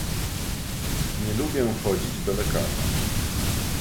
Nie lubię chodzić do lekarza.